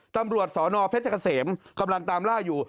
ตำรวจสนเพชรเกษมกำลังตามล่าอยู่